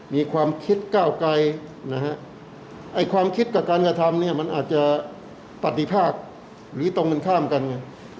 มีความคิดก้าวไกลนะฮะไอ้ความคิดกับการกระทำเนี่ยมันอาจจะปฏิภาคหรือตรงกันข้ามกันไง